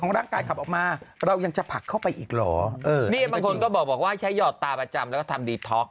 ร่างกายขับออกมาเรายังจะผลักเข้าไปอีกเหรอเออนี่บางคนก็บอกว่าใช้หอดตาประจำแล้วก็ทำดีท็อก